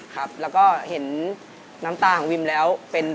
ค่ะแล้วก็เห็นน้ำตาของวิมแล้ว